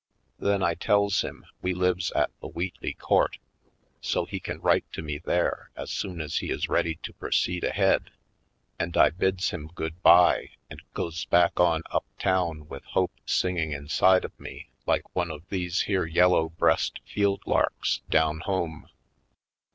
Then I tells him we lives at the Wheatley Court so he can write to me there as soon as he is ready to proceed ahead, and I bids him good bye and goes back on up town with hope singing inside of me like one of these here yellow breast field larks down home.